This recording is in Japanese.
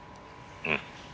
うん。